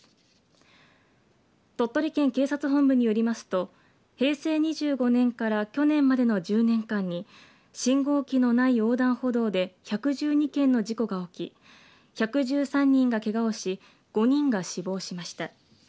鳥取県警察本部によりますと平成２５年から去年までの１０年間に信号機のない横断歩道で１１２件の事故が起き１１３人がけがをし５人が死亡しました。